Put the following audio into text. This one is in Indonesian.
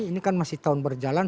ini kan masih tahun berjalan